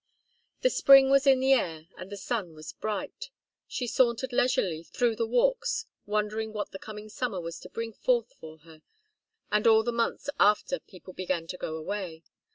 The spring was in the air and the sun was bright. She sauntered leisurely through the walks, wondering what the coming summer was to bring forth for her, and all the months after people began to go away.